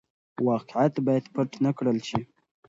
واقعيت بايد پټ نه کړل شي.